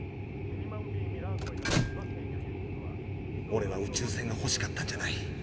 オレは宇宙船がほしかったんじゃない。